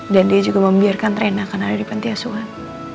dan dia juga membiarkan reina akan ada di pentiasuan